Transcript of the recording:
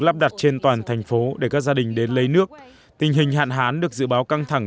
lắp đặt trên toàn thành phố để các gia đình đến lấy nước tình hình hạn hán được dự báo căng thẳng